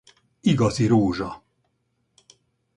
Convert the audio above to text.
Igazi rózsa!